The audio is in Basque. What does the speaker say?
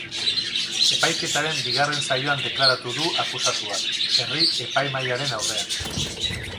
Epaiketaren bigarren saioan deklaratu du akusatuak herri-epaimahaiaren aurrean.